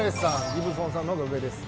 ギブソンさんの方が上です。